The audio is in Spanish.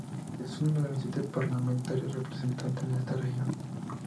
Es uno de los siete parlamentarios representantes de esta región.